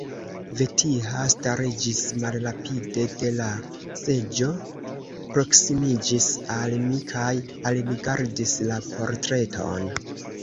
Vetiha stariĝis malrapide de la seĝo, proksimiĝis al mi kaj alrigardis la portreton.